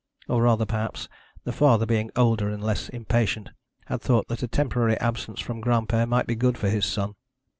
Or rather, perhaps, the father being older and less impatient, had thought that a temporary absence from Granpere might be good for his son.